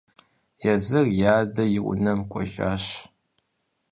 Езыр и адэ и унэм кӀуэжащ.